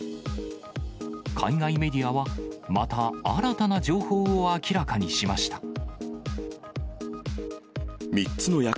海外メディアは、また新たな情報を明らかにしました。